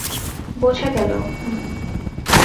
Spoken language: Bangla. বোঝা গেল, হুম?